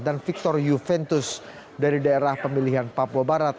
dan victor juventus dari daerah pemilihan papua barat